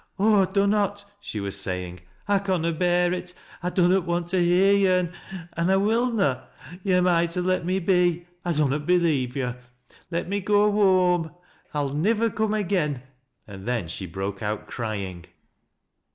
" Oh, dunnot !" she was saying, " I conna bear it. I dunnot want to hear yo', an' — an' I will na. To' moiglit ha' let me be. I dunnot believe yo'. Let me go wboani I'll nivver coom again," and then she broke out crying.